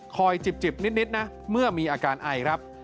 จิบนิดนะเมื่อมีอาการไอครับ